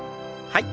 はい。